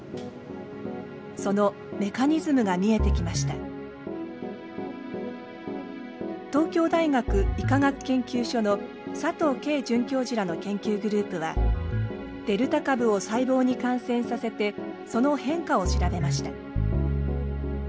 その東京大学医科学研究所の佐藤佳准教授らの研究グループはデルタ株を細胞に感染させてその変化を調べました。